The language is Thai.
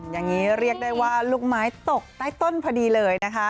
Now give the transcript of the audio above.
อย่างนี้เรียกได้ว่าลูกไม้ตกใต้ต้นพอดีเลยนะคะ